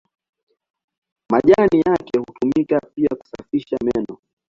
Majani yake hutumika pia kusafisha meno.